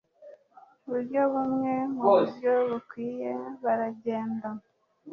buryo bumwe, muburyo bukwiye, baragenda